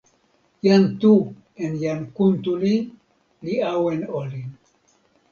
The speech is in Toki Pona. jan Tu en jan Kuntuli li awen olin.